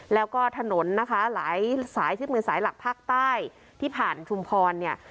แล้วก็ถนนนะคะหลายสายเชือกมือสายหลักภาคใต้ที่ผ่านชุมพรเนี่ย